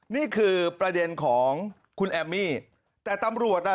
นี่คือประเด็นของคุณแอมมี่แต่ตำรวจน่ะ